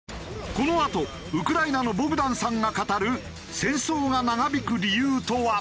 このあとウクライナのボグダンさんが語る戦争が長引く理由とは？